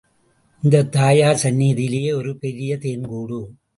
இந்தத் தாயார் சந்நிதியிலே ஒரு பெரிய தேன் கூடு.